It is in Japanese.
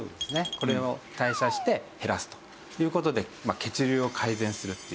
これを代謝して減らすという事で血流を改善するっていう。